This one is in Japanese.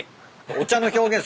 お茶の表現